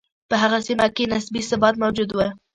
په هغه سیمه کې نسبي ثبات موجود و.